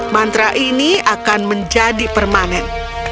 mantra ini akan menjadi permanen